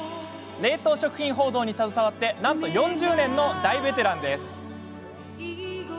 冷凍食品報道に携わってなんと４０年の大ベテラン。